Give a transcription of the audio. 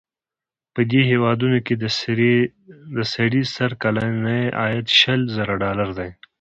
په دې هېوادونو کې د سړي سر کلنی عاید شل زره ډالره دی.